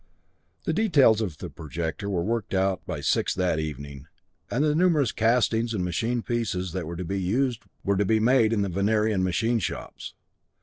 The details of the projector were worked out by six that evening, and the numerous castings and machined pieces that were to be used were to be made in the Venerian machine shops.